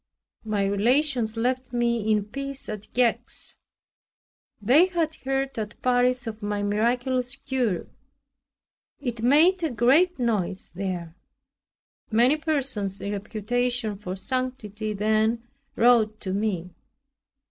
My relations left me in peace at Gex. They had heard at Paris of my miraculous cure; it made a great noise there. Many persons in reputation for sanctity then wrote to me.